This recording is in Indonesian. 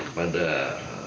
baik pada struktur vertikal